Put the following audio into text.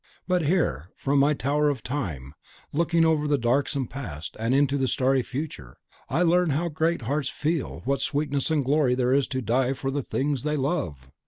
But here, from my tower of time, looking over the darksome past, and into the starry future, I learn how great hearts feel what sweetness and glory there is to die for the things they love!